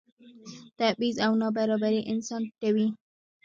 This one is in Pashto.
تبعیض او نابرابري انسان ټیټوي.